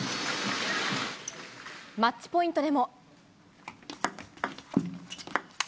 マッチポイントでも。